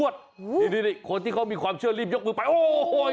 นี่คนที่เขามีความเชื่อรีบยกมือไปโอ้ยโอ้ยโอ้ยโอ้ยโอ้ย